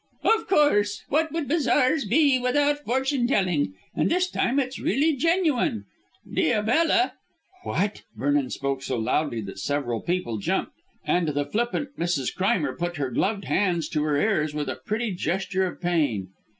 "Of course. What would bazaars be without fortune telling? And this time it's really genuine. Diabella " "What!" Vernon spoke so loudly that several people jumped, and the flippant Mrs. Crimer put her gloved hands to her ears with a pretty gesture of pain.